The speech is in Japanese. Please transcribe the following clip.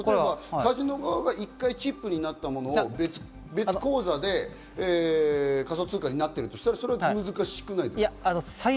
カジノ側が１回チップになったものを別口座で仮想通貨になってるとしたら難しくないですか？